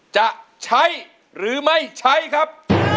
จะใช้หรือไม่ใช้ครับ